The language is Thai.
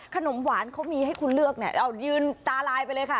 ขนมหวานเขามีให้คุณเลือกเนี่ยเรายืนตาลายไปเลยค่ะ